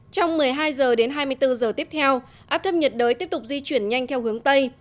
trong một mươi hai h đến hai mươi bốn giờ tiếp theo áp thấp nhiệt đới tiếp tục di chuyển nhanh theo hướng tây